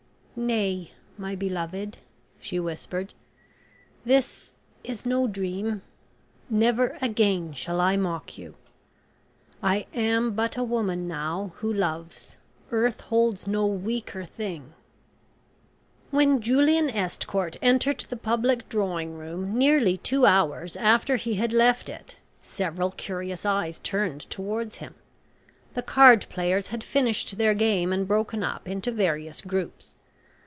"Nay, my beloved," she whispered; "this is no dream... Never again shall I mock you. I am but a woman now who loves. Earth holds no weaker thing." When Julian Estcourt entered the public drawing room, nearly two hours after he had left it, several curious eyes turned towards him. The card players had finished their game and broken up into various groups.